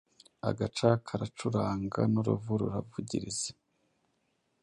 agaca karacuranga n’uruvu ruravugiriza,